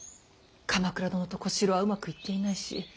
鎌倉殿と小四郎はうまくいっていないし。